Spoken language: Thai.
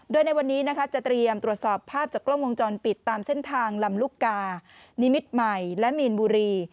โดยในวันนี้นะคะจะเตรียมตรวจสอบภาพจากกล้องวงจรปิดตามเส้นทางลำลูกกานิมิตรใหม่และมีนบุรี